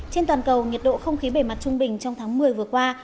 trên toàn cầu nhiệt độ không khí bề mặt trung bình trong tháng một mươi vừa qua